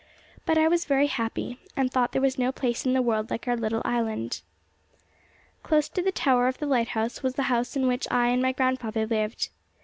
But I was very happy, and thought there was no place in the world like our little island. Close to the tower of the lighthouse was the house in which I and my grandfather lived.